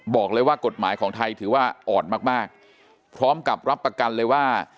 บอกเลยว่ากฎหมายของไทยถือว่าอ่อนมากมากพร้อมกับรับประกันเลยว่า